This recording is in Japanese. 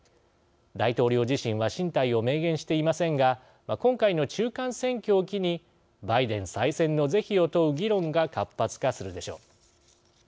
大統領自身は進退を明言していませんが今回の中間選挙を機にバイデン再選の是非を問う議論が活発化するでしょう。